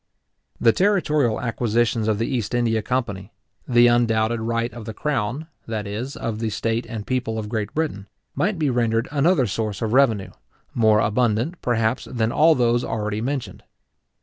The territorial acquisitions of the East India Company, the undoubted right of the Crown, that is, of the state and people of Great Britain, might be rendered another source of revenue, more abundant, perhaps, than all those already mentioned.